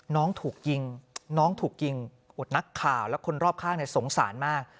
น้องถูกยิงน้องถูกยิงอดนักข่าวและคนรอบข้างสงสารมาก